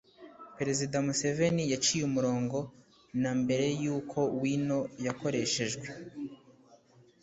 perezida museveni yaciye umurongo na mbere y’uko wino yakoreshejwe